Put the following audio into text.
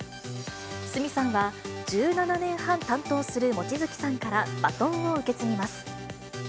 鷲見さんは、１７年半担当する望月さんから、バトンを受け継ぎます。